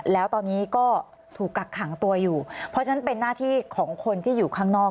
แล้วตอนนี้ก็ถูกกักขังตัวอยู่เพราะฉะนั้นเป็นหน้าที่ของคนที่อยู่ข้างนอก